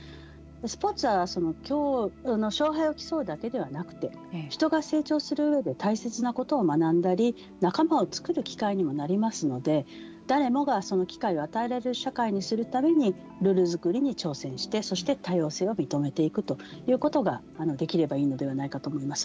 スポーツは勝敗を競うだけではなくて人が成長する上で大切なことを学んだり仲間を作る機会にもなりますので誰もがその機会を与えられる社会にするためにルール作りに挑戦してそして多様性を認めていくということができればいいのではないかと思います。